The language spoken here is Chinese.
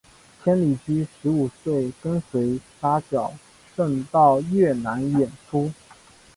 千里驹十五岁跟随扎脚胜到越南演出。